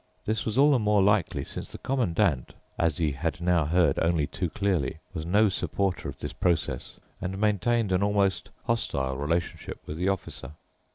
This was all the more likely since the Commandant, as he had now heard only too clearly, was no supporter of this process and maintained an almost hostile relationship with the Officer.